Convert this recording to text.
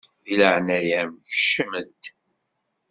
Di leɛnaya-m kcem-d!